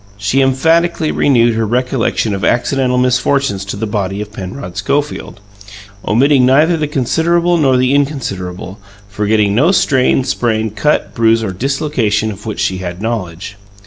She emphatically renewed her recollection of accidental misfortunes to the body of Penrod Schofield, omitting neither the considerable nor the inconsiderable, forgetting no strain, sprain, cut, bruise or dislocation of which she had knowledge.